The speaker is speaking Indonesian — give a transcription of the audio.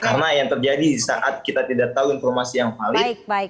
karena yang terjadi disaat kita tidak tahu informasi yang valid